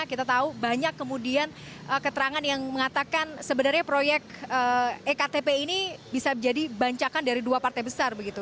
kita tahu banyak kemudian keterangan yang mengatakan sebenarnya proyek ektp ini bisa menjadi bancakan dari dua partai besar begitu